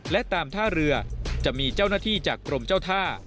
และตามท่าเรือจะมีเจ้าหน้าที่จากกรมเจ้าท่า